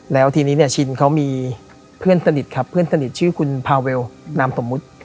แล้วทีนี้เนี่ยชินเขามีเพื่อนสนิทครับเพื่อนสนิทชื่อคุณพาเวลนามสมมุติ